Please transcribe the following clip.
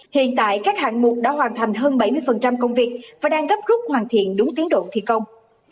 hiện tại các hạng mục đã hoàn thành hơn bảy mươi công việc và đang gấp rút hoàn thiện đúng tiến độ thi công